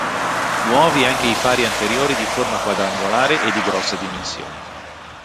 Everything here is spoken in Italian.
Nuovi anche i fari anteriori di forma quadrangolare e di grosse dimensioni.